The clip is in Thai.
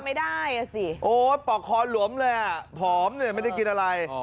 ไม่ได้อ่ะสิโอ้ปอกคอหลวมเลยอ่ะผอมเนี่ยไม่ได้กินอะไร